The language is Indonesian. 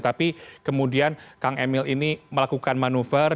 tapi kemudian kang emil ini melakukan manuver